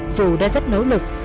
dù đã rất nỗ lực